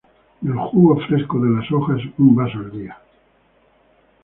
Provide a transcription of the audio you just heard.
Del jugo fresco de las hojas, un vaso al día.